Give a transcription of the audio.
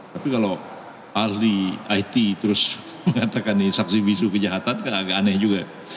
tapi kalau ahli it terus mengatakan ini saksi bisu kejahatan kan agak aneh juga